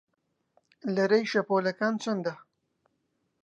لەرەی شەپۆڵەکان چەندە؟